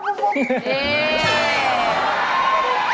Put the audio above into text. นี่